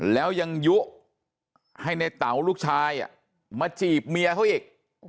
แล้วยังยุให้ในเต๋าลูกชายมาจีบเมียเขาอีก